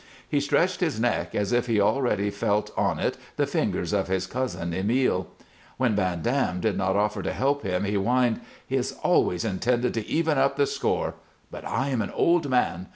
He stretched his neck, as if he already felt on it the fingers of his cousin Emile. When Van Dam did not offer to help him he whined: "He has always intended to even up the score; but I am an old man.